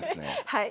はい。